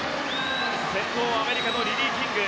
先頭はアメリカのリリー・キング。